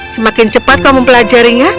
semakin cepat kau mempelajarinya